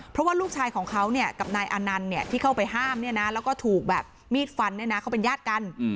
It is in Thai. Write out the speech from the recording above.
เพราะว่าลูกชายของเขากับนายอานันต์ที่เข้าไปห้ามแล้วก็ถูกแบบมีดฟันเนี่ยนะเขาเป็นญาติกัน